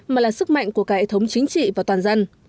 mà là sức mạnh của cả hệ thống chính trị và toàn dân